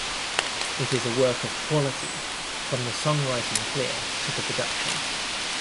It is a work of quality, from the songwriting clear to the production.